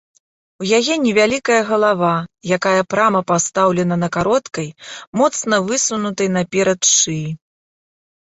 У яе невялікая галава, якая прама пастаўлена на кароткай, моцна высунутай наперад шыі.